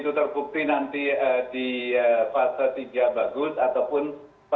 sementara terimprinsipnya bagus kan pertimbangan banget oleh bepong untuk dipakai untuk masyarakat